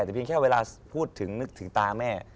แต่เพียงแค่เวลาพูดถึงนึกถึงตาแม่